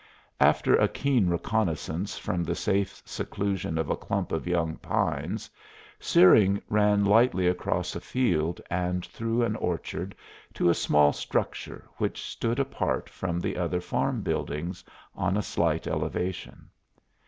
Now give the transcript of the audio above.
After a keen reconnoissance from the safe seclusion of a clump of young pines Searing ran lightly across a field and through an orchard to a small structure which stood apart from the other farm buildings, on a slight elevation.